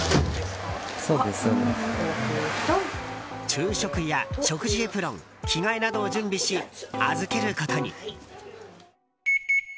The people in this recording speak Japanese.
昼食や食事エプロン着替えなどを準備し預けることに。